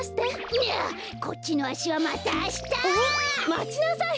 いやこっちのあしはまたあした！まちなさい！